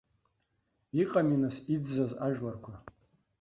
Иҟами, нас, иӡӡаз ажәларқәа.